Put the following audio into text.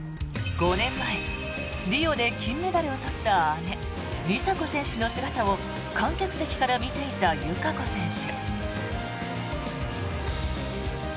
５年前、リオで金メダルを取った姉・梨紗子選手の姿を観客席から見ていた友香子選手。